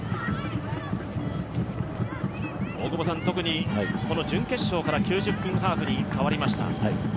特に準決勝から９０分ハーフに変わりました。